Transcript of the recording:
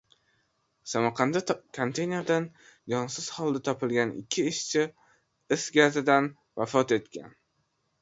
Samarqandda konteynerdan jonsiz holda topilgan ikki ishchi is gazidan vafot etgan